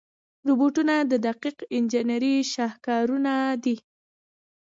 روبوټونه د دقیق انجنیري شاهکارونه دي.